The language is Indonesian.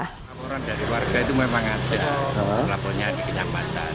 laporan dari warga itu memang ada laporannya di kecamatan